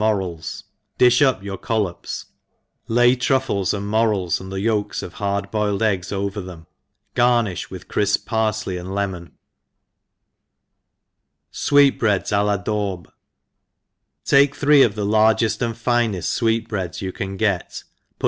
mo rels, di(h up your collops, lay truffles and morels, H and 98 THE EXPERIENCED and the ycllks of hard boiled eggs over them i garnifh with criip pariley and lemon. Sweet ^Breads a Ia daub. TAKE three of the largeftand fineft fwect breads you can get, put